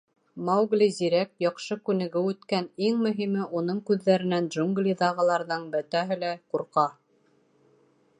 Маугли зирәк, яҡшы күнегеү үткән, иң мөһиме, уның күҙҙәренән джунглиҙағыларҙың бөтәһе лә ҡурҡа.